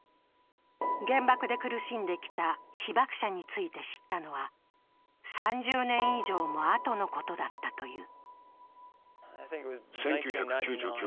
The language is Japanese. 原爆で苦しんできた被爆者について知ったのは３０年以上も後のことだったという。